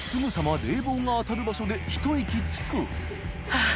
はぁ。